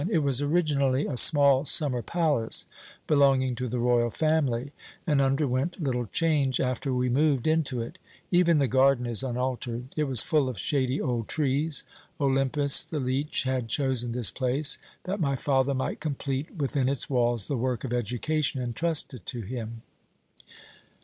"It was originally a small summer palace belonging to the royal family, and underwent little change after we moved into it. Even the garden is unaltered. It was full of shady old trees. Olympus, the leech, had chosen this place, that my father might complete within its walls the work of education entrusted to him.